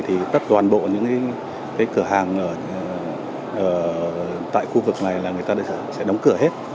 tất toàn bộ những cửa hàng tại khu vực này sẽ đóng cửa hết